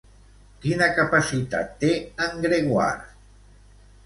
Quina capacitat té en Gregóire?